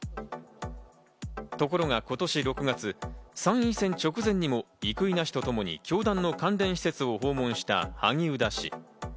ところが今年６月、参院選直前にも生稲氏とともに教団の関連施設を訪問した萩生田氏。